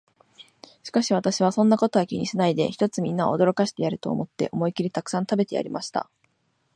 しかし私は、そんなことは気にしないで、ひとつみんなを驚かしてやれと思って、思いきりたくさん食べてやりました。